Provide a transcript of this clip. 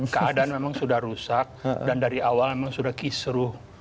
keadaan memang sudah rusak dan dari awal memang sudah kisruh